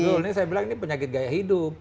sebenarnya saya bilang ini penyakit gaya hidup